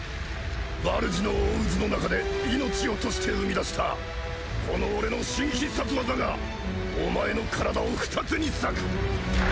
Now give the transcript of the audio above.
バルジの大渦の中で命を賭して生み出したこの俺の新必殺技がお前の体を２つに裂く。